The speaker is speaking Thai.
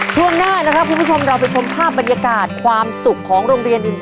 ช่วงหน้านะครับคุณผู้ชมเราไปชมภาพบรรยากาศความสุขของโรงเรียน